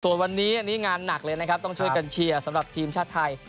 ส่วนวันนี้อันนี้งานหนักเลยนะครับต้องช่วยกันเชียร์สำหรับทีมชาติไทย